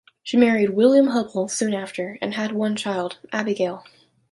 She married William Hubbel soon after, and had one child, Abigail.